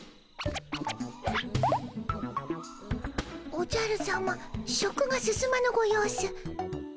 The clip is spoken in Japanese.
おじゃるさま食が進まぬご様子。